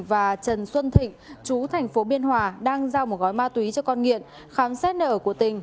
và trần xuân thịnh chú tp biên hòa đang giao một gói ma túy cho con nghiện khám xét nở của tỉnh